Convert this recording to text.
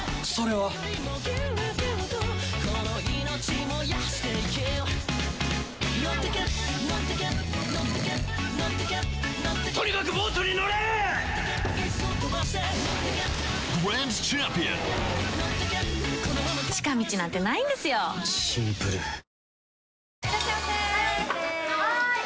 はい！